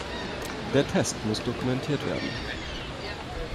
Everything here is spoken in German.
Der Test muss dokumentiert werden.